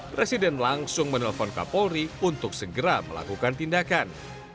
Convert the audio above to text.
presiden langsung menelpon kapolri untuk segera melakukan tindakan